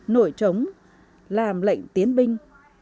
nổi trống làm lệnh tiến binh